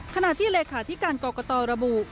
ขณะที่เลขาธิการกรกตระบุ